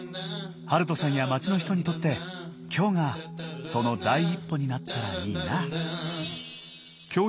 遥人さんや街の人にとって今日がその第一歩になったらいいな。